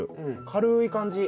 軽い感じ。